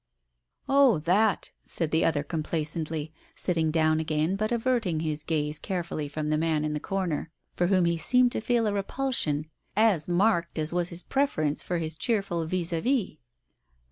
" Oh, that !" said the other complacently, sitting down again, but averting his gaze carefully from the man in the corner, for whom he seemed to feel a repulsion as marked as was his preference for his cheerful vis a vis.